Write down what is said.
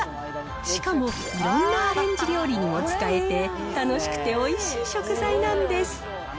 しかもいろんなアレンジ料理にも使えて、楽しくておいしい食材なんです。